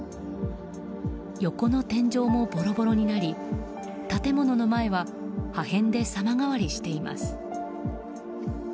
横の天井もボロボロになり建物の前は破片で様変わりしています。